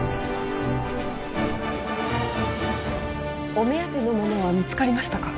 お目当てのものは見つかりましたか？